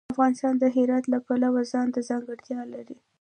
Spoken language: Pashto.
افغانستان د هرات د پلوه ځانته ځانګړتیا لري.